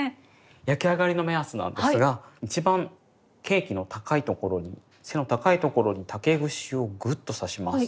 焼き上がりの目安なんですが一番ケーキの高いところに背の高いところに竹串をグッと刺します。